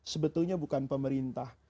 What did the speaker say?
sebetulnya bukan pemerintah